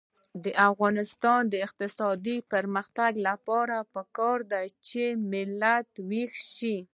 د افغانستان د اقتصادي پرمختګ لپاره پکار ده چې ملت ویښ شي.